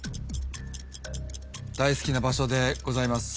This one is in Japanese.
大好きな場所でございます。